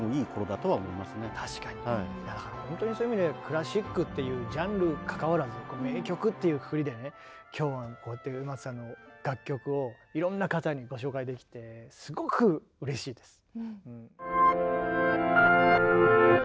だからほんとにそういう意味でクラシックっていうジャンルかかわらず名曲っていうくくりでね今日はこうやって植松さんの楽曲をいろんな方にご紹介できてすごくうれしいです。